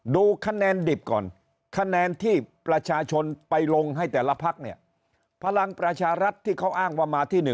ดูคะแนนดิบก่อนคะแนนที่ประชาชนไปลงให้แต่ละพักเนี่ยพลังประชารัฐที่เขาอ้างว่ามาที่๑